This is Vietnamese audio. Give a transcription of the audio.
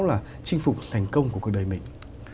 là chinh phục thành công của cuộc đời mình